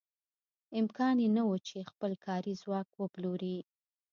امکان یې نه و چې خپل کاري ځواک وپلوري.